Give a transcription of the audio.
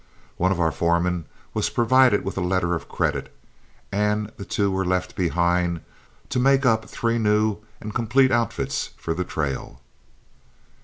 One of our foremen was provided with a letter of credit, and the two were left behind to make up three new and complete outfits for the trail.